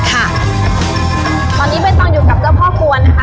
ค่ะตอนนี้ใบตองอยู่กับเจ้าพ่อควรนะคะ